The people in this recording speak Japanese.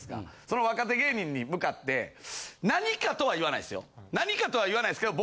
その若手芸人に向かってなにかとは言わないですよ。